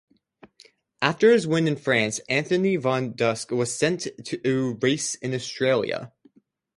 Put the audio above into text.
After his win in France Anthony Van Dyck was sent to race in Australia.